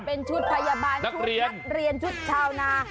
เป็นชุดพยาบาลชุดนักเรียนชุดชาวนา